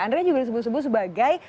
andre juga disebut sebut sebagai